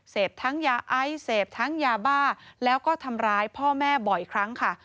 เสพทั้งยาไอเสพทั้งยาบ้าแล้วก็ทำร้ายพ่อแม่บ่อยครั้งค่ะ